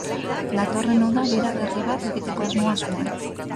Datorren udan bira berri bat egiteko asmoa zuen.